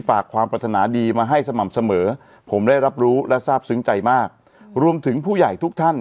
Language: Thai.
ฝากความปรัฐนาดีมาให้สม่ำเสมอผมได้รับรู้และทราบซึ้งใจมากรวมถึงผู้ใหญ่ทุกท่าน